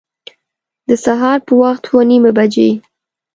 د سهار په وخت اوه نیمي بجي